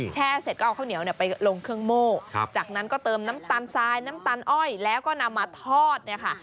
เสร็จก็เอาข้าวเหนียวเนี่ยไปลงเครื่องโม่จากนั้นก็เติมน้ำตาลทรายน้ำตาลอ้อยแล้วก็นำมาทอดเนี่ยค่ะ